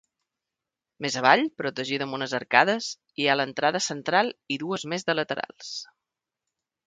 Més avall, protegida per unes arcades, hi ha l'entrada central, i dues més de laterals.